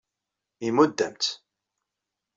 Imudd-am-tt.